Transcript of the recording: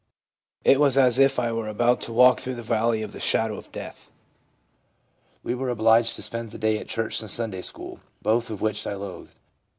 It was as if I were about to " walk through the valley of the shadow of death." We were obliged to spend the day at church and Sunday school, both of which I loathed.